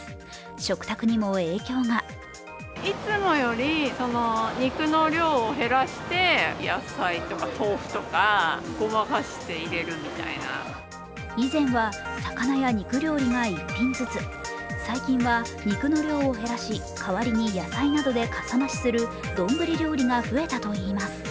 食卓にも影響が以前は魚や肉料理が１品ずつ、最近は肉の量を減らし、代わりに野菜などでかさ増しする丼料理が増えたといいます。